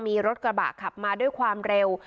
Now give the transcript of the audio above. มีรถกระบะขับมาด้วยความเร็ว